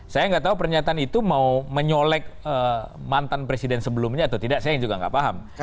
saya enggak tahu pernyataan itu mau menyelek mantan presiden sebelumnya atau tidak saya juga enggak paham